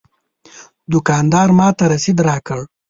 دوکاندار ماته رسید راکړ.